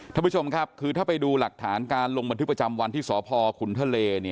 ท่านผู้ชมครับคือถ้าไปดูหลักฐานการลงบันทึกประจำวันที่สพขุนทะเล